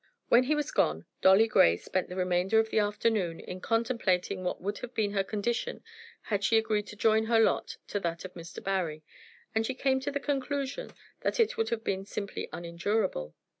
When he was gone Dolly Grey spent the remainder of the afternoon in contemplating what would have been her condition had she agreed to join her lot to that of Mr. Barry, and she came to the conclusion that it would have been simply unendurable.